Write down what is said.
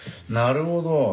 なるほど。